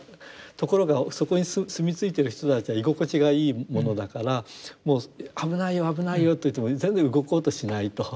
ところがそこに住み着いてる人たちは居心地がいいものだからもう危ないよ危ないよと言っても全然動こうとしないと。